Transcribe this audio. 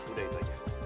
udah itu aja